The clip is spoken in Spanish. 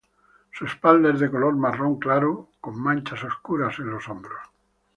Su espalda es de color marrón claro con manchas oscuras en los hombros.